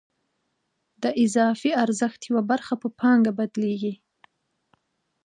د اضافي ارزښت یوه برخه په پانګه بدلېږي